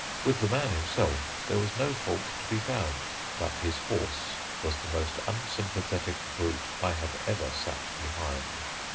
With the man himself there was no fault to be found, but his horse was the most unsympathetic brute I have ever sat behind.